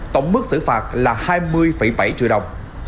tổng mức xử phạt là hai mươi bảy triệu đồng